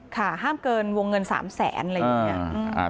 ค่ะห้ามเกินวงเงิน๓แสนอะไรอย่างนี้